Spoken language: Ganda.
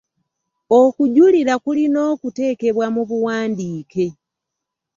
Okujulira kulina okuteekebwa mu buwandiike.